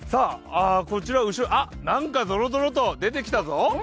あ、なんかぞろぞろと出てきたぞ。